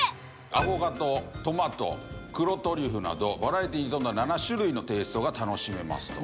アボカドトマト黒トリュフなどバラエティーに富んだ７種類のテイストが楽しめますと。